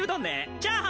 チャーハン。